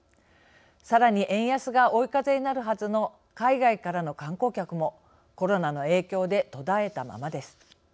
さらに円安が追い風になるはずの海外からの観光客もコロナの影響で途絶えたままです。